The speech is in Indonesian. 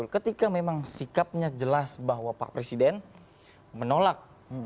ketika memang sikapnya jelas bahwa pak presiden menolak